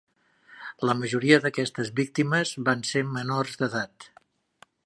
La majoria d'aquestes víctimes van ser menors d'edat.